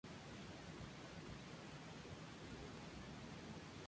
Ella obtuvo la calificación más alta en el examen de entrada de este año.